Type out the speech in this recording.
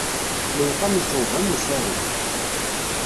Lewqam iṣweb am usaru.